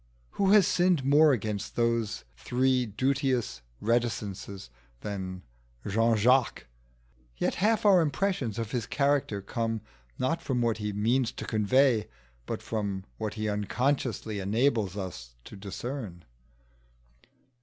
Who has sinned more against those three duteous reticences than Jean Jacques? Yet half our impressions of his character come not from what he means to convey, but from what he unconsciously enables us to discern.